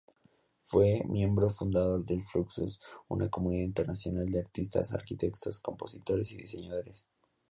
Fue miembro fundador de Fluxus, una comunidad internacional de artistas, arquitectos, compositores y diseñadores.